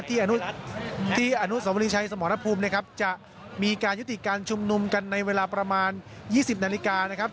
ที่อนุสวรีชัยสมรภูมินะครับจะมีการยุติการชุมนุมกันในเวลาประมาณ๒๐นาฬิกานะครับ